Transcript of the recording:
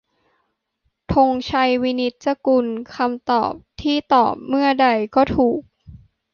ธงชัย วินิจจะกูล : คำตอบที่ตอบเมื่อใดก็ถูก